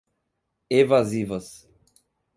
evasivas